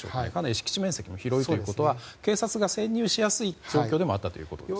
敷地面積も広いということは警察が潜入しやすい状況でもあったということですね。